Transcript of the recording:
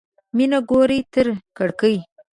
مېمه ګوري تر کړکۍ.